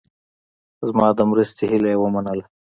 زما د مرستې هیله یې ومنله.